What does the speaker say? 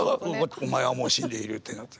「お前はもう死んでいる」って。